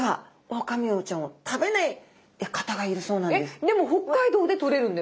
えっでも北海道でとれるんだよね？